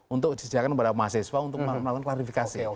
untuk disediakan kepada mahasiswa untuk melakukan klarifikasi